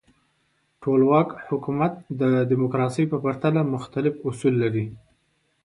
ټولواک حکومت د دموکراسۍ په پرتله مختلف اصول لري.